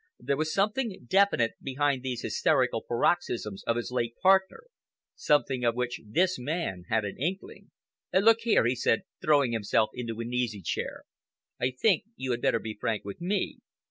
There was something definite behind these hysterical paroxysms of his late partner, something of which this man had an inkling. "Look here," he said, throwing himself into an easychair, "I think you had better be frank with me.